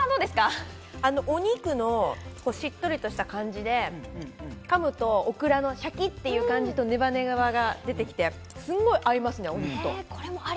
お肉のしっとりとした感じで、噛むとオクラのシャキっていう感じとねばねばが出てきて、すごい合いますね、お肉と。